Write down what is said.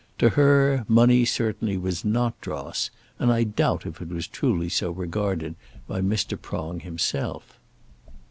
To her money certainly was not dross, and I doubt if it was truly so regarded by Mr. Prong himself.